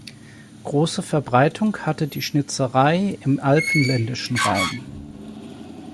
Große Verbreitung hatte die Schnitzerei im Alpenländischen Raum.